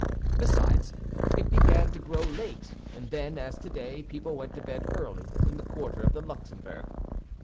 Besides, it began to grow late, and then, as today, people went to bed early in the quarter of the Luxembourg.